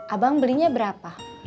abang belinya berapa